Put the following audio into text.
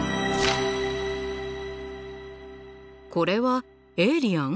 これはエイリアン？